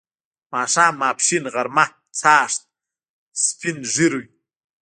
ماښام، ماپښین، غرمه، چاښت، سپین ږیری